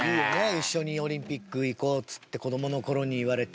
「一緒にオリンピック行こう」っつって子どもの頃に言われて。